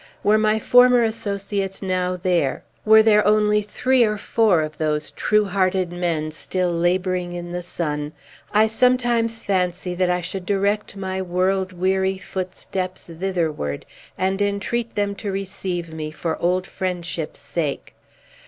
Were my former associates now there, were there only three or four of those true hearted men still laboring in the sun, I sometimes fancy that I should direct my world weary footsteps thitherward, and entreat them to receive me, for old friendship's sake.